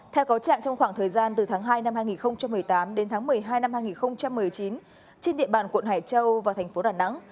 theo cáo trạng trong khoảng thời gian từ tháng hai năm hai nghìn một mươi tám đến tháng một mươi hai năm hai nghìn một mươi chín trên địa bàn quận hải châu và thành phố đà nẵng